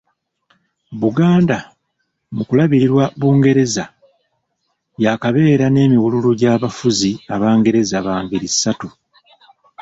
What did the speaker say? Buganda mu kulabirirwa Bungereza, yaakabeera n'emiwululu gy'abafuzi Abangereza ba ngeri ssatu.